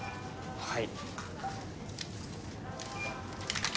はい。